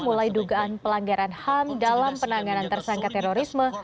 mulai dugaan pelanggaran ham dalam penanganan tersangka terorisme